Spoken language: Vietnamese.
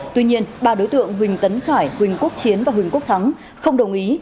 tuy nhiên ba đối tượng huỳnh tấn khải huỳnh quốc chiến và huỳnh quốc thắng không đồng ý